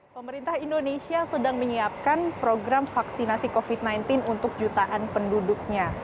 pemerintah indonesia sedang menyiapkan program vaksinasi covid sembilan belas untuk jutaan penduduknya